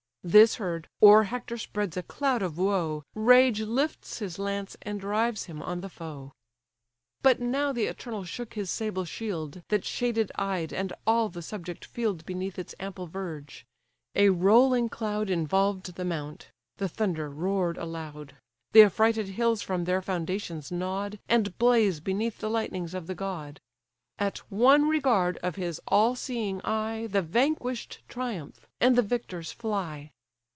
This heard, o'er Hector spreads a cloud of woe, Rage lifts his lance, and drives him on the foe. But now the Eternal shook his sable shield, That shaded Ide and all the subject field Beneath its ample verge. A rolling cloud Involved the mount; the thunder roar'd aloud; The affrighted hills from their foundations nod, And blaze beneath the lightnings of the god: At one regard of his all seeing eye The vanquish'd triumph, and the victors fly.